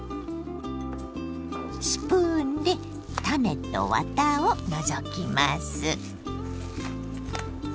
スプーンで種とワタを除きます。